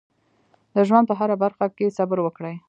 د ژوند په هره برخه کې صبر وکړئ.